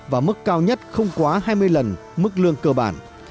và mức cao nhất không quá hai mươi lần mức lương cơ bản